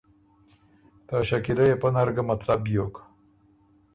ته شکیلۀ يې پۀ نر ګه مطلب بیوک